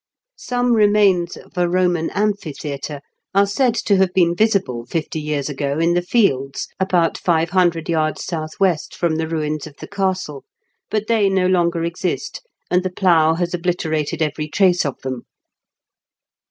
Some remains of a Eoman amphitheatre are said to have been visible fifty years ago in the fields, about five hundred yards south west firom the ruins of the castle; but they no longer exist, and the plough has obliterated every trace of them.